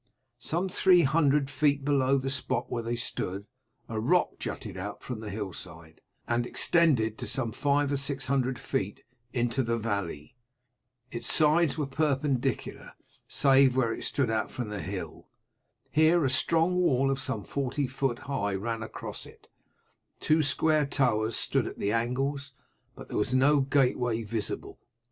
Some three hundred feet below the spot where they stood a rock jutted out from the hillside, and extended some five or six hundred feet into the valley. Its sides were perpendicular save where it stood out from the hill. Here a strong wall some forty feet high ran across it; two square towers stood at the angles, but there was no gateway visible.